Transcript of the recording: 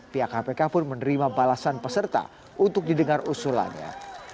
pihak kpk pun menerima balasan peserta untuk didengar usulannya